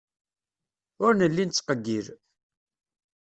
Ur nelli nettqeyyil.